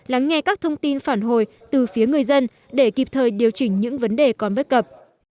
lắng nghe các thông tin phản hồi từ phía người dân để kịp thời điều chỉnh những vấn đề còn bất cập